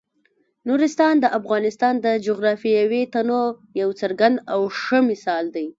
نورستان د افغانستان د جغرافیوي تنوع یو څرګند او ښه مثال دی.